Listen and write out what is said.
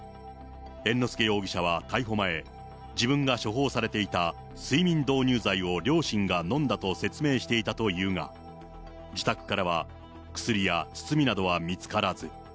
猿之助容疑者は逮捕前、自分が処方されていた睡眠導入剤を両親が飲んだと説明していたというが、自宅からは薬や包みなどは見つからず。